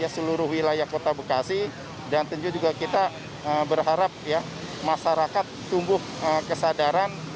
seluruh wilayah kota bekasi dan tentu juga kita berharap masyarakat tumbuh kesadaran